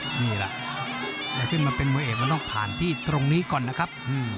นี่แหละแต่ขึ้นมาเป็นมวยเอกมันต้องผ่านที่ตรงนี้ก่อนนะครับ